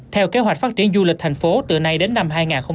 theo kế hoạch phát triển du lịch thành phố từ nay đến năm hai nghìn hai mươi năm